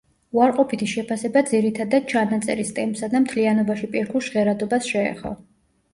უარყოფითი შეფასება ძირითადად ჩანაწერის ტემპსა და მთლიანობაში პირქუშ ჟღერადობას შეეხო.